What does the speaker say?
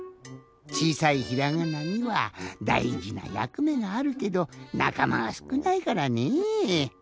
ちいさいひらがなにはだいじなやくめがあるけどなかまがすくないからねえ。